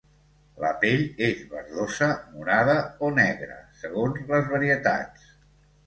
La pell és verdosa, morada o negra, segons les varietats.